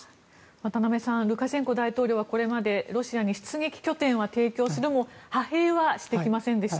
渡部さんルカシェンコ大統領はこれまでロシアに出撃拠点は提供するも派兵はしてきませんでした。